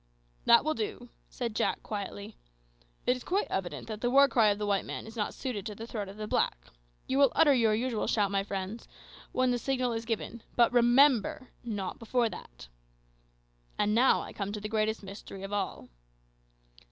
"That will do," said Jack quietly; "it is quite evident that the war cry of the white man is not suited to the throat of the black. You will utter your usual shout, my friends, when the signal is given; but remember, not before that. "And now I come to the greatest mystery of all."